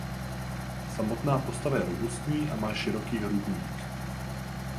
Samotná postava je robustní a má široký hrudník.